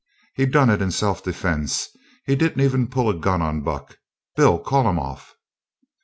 He done it in self defense. He didn't even pull a gun on Buck. Bill, call 'em off!"